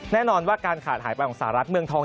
แน่นอนว่าการขาดหายไปของสหรัฐเมืองทอง